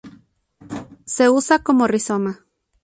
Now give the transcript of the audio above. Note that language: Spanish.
Se usa como rizoma.